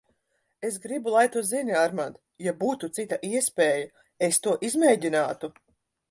Es gribu, lai tu zini, Armand, ja būtu cita iespēja, es to izmēģinātu.